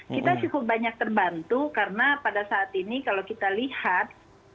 kita cukup banyak terbantu karena pada saat ini kalau kita lihat